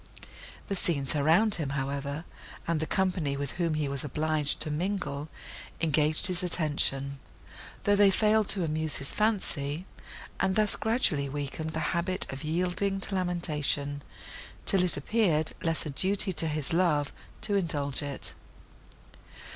The scenes around him, however, and the company with whom he was obliged to mingle, engaged his attention, though they failed to amuse his fancy, and thus gradually weakened the habit of yielding to lamentation, till it appeared less a duty to his love to indulge it.